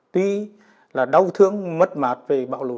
tuy là đau thương mất mạt về bão lũ